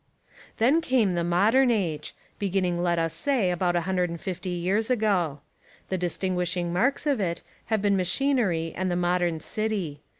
Then came the modern age, beginning let us say about a hundred and fifty years ago. The distinguishing marks of it have been ma chinery and the modern city.